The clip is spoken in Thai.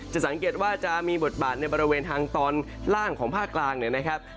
สังเกตว่าจะมีบทบาทในบริเวณทางตอนล่างของภาคกลางเนี่ยนะครับ